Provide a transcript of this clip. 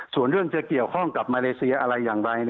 ส่วนเรื่องจะเกี่ยวข้องกับมาเลเซียอะไรอย่างไร